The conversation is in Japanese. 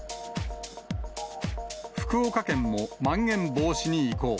福岡県もまん延防止に移行。